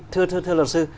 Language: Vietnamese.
thế thì thưa luật sư